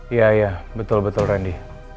iya iya betul betul ren di